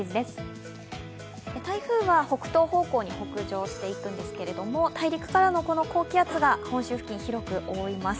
台風は北東方向に北上していくんですが大陸からの高気圧が本州付近を広く覆います。